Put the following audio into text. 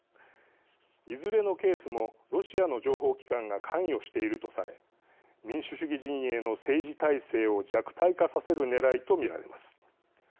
いずれのケースもロシアの情報機関が関与しているとされ民主主義陣営の政治体制を弱体化させるねらいと見られます。